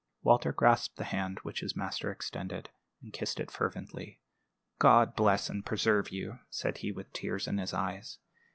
Walter grasped the hand which his master extended, and kissed it fervently. "God bless and preserve you!" said he, with tears in his eyes.